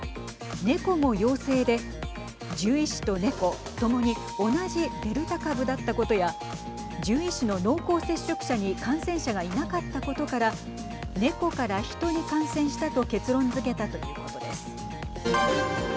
ネコも陽性で獣医師とネコともに同じデルタ株だったことや獣医師の濃厚接触者に感染者がいなかったことからネコからヒトに感染したと結論づけたということです。